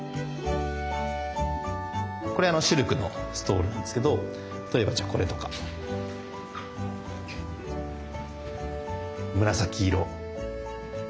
これあのシルクのストールなんですけど例えばじゃあこれとか紫色ですね。